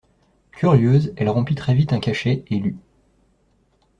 Curieuse, elle rompit très vite un cachet et lut.